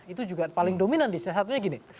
itu juga paling dominan di saat ini